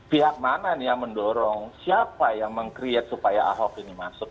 pihak mana nih yang mendorong siapa yang meng create supaya ahok ini masuk